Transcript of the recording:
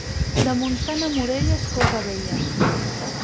De Montsant a Morella és cosa vella.